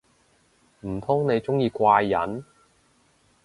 唔通你鍾意怪人